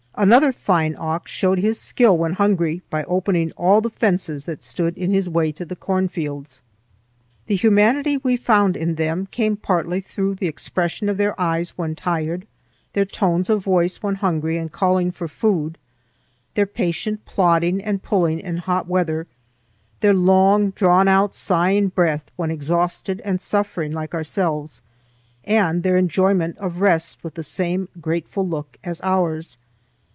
Another fine ox showed his skill when hungry by opening all the fences that stood in his way to the corn fields. The humanity we found in them came partly through the expression of their eyes when tired, their tones of voice when hungry and calling for food, their patient plodding and pulling in hot weather, their long drawn out sighing breath when exhausted and suffering like ourselves, and their enjoyment of rest with the same grateful looks as ours.